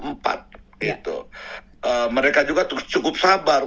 mereka juga cukup sabar